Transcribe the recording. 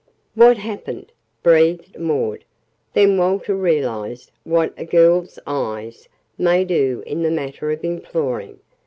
"What happened?" breathed Maud. Then Walter realized what a girl's eyes may do in the matter of "imploring."